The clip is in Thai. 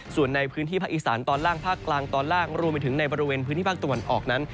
ส่วนในพื้นที่ภาคอีสานตอนล่างภาคกลางตอนล่างรวมไปถึงในบริเวณพื้นที่ภาคตะวันออกนั้น